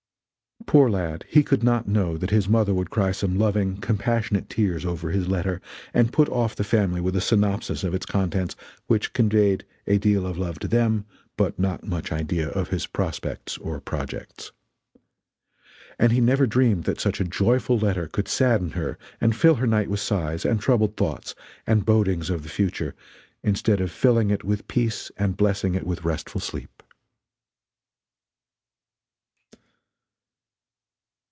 Poor lad, he could not know that his mother would cry some loving, compassionate tears over his letter and put off the family with a synopsis of its contents which conveyed a deal of love to them but not much idea of his prospects or projects. And he never dreamed that such a joyful letter could sadden her and fill her night with sighs, and troubled thoughts, and bodings of the future, instead of filling it with peace and blessing it with restful sleep.